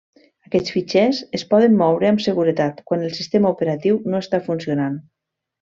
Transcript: Aquests fitxers es poden moure amb seguretat quan el sistema operatiu no està funcionant.